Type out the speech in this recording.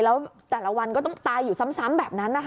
แล้วแต่ละวันก็ต้องตายอยู่ซ้ำแบบนั้นนะคะ